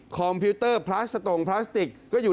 คอมพิวเตอร์พลาสติก